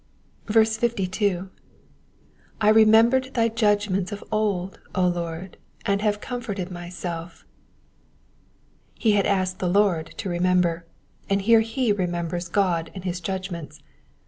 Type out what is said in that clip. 52. *'J remembered thy judgments of old, Lord; and have comforted myself,^'* He had asked the Lord to remember, and here he remembers God and his judgments.